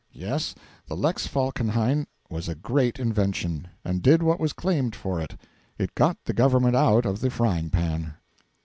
Yes, the Lex Falkenhayn was a great invention, and did what was claimed for it it got the government out of the frying pan.